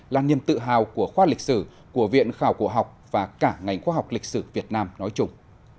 là niềm tự hào của khoa lịch sử của viện khảo cổ học và cả ngành khoa học lịch sử việt nam nói chung